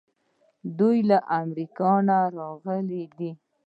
دوی له امریکا نه راغلي دي.